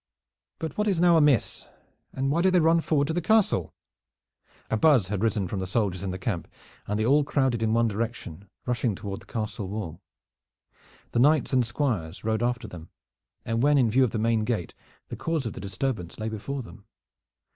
But what is now amiss, and why do they run forward to the castle?" A buzz had risen from the soldiers in the camp, and they all crowded in one direction, rushing toward the castle wall. The knights and squires rode after them, and when in view of the main gate, the cause of the disturbance lay before them.